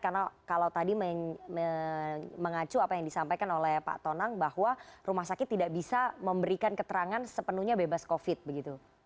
karena kalau tadi mengacu apa yang disampaikan oleh pak tonang bahwa rumah sakit tidak bisa memberikan keterangan sepenuhnya bebas covid begitu